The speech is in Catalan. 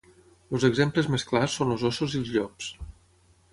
Els exemples més clars són els óssos i els llops.